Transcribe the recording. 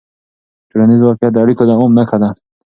ټولنیز واقیعت د اړیکو د دوام نښه ده.